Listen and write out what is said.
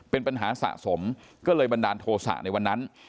เป็นปัญหาสะสมก็เลยบันดาลโทษะในวันนั้น